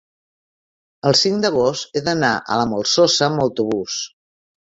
el cinc d'agost he d'anar a la Molsosa amb autobús.